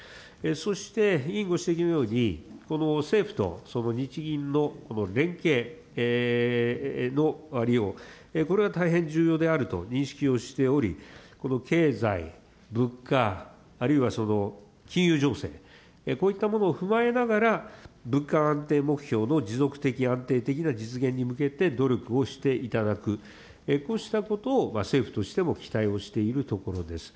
そして委員ご指摘のように、政府と日銀の連携のありよう、これは大変重要であると認識をしており、この経済、物価、あるいは金融情勢、こういったものを踏まえながら、物価安定目標の持続的、安定的な実現に向けて努力をしていただく、こうしたことを政府としても期待をしているところです。